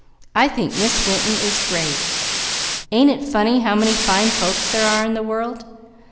I think Miss Winton is great. Ain't it funny how many fine folks there are in the world?